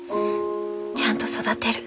ちゃんと育てる」。